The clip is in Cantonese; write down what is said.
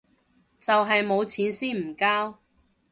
就係冇錢先唔交